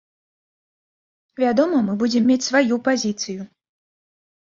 Вядома, мы будзем мець сваю пазіцыю.